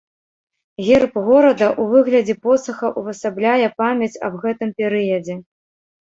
Герб горада ў выглядзе посаха ўвасабляе памяць аб гэтым перыядзе.